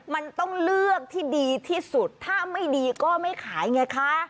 มันต้องเลือกที่ดีที่สุดถ้าไม่ดีก็ไม่ขายไงคะ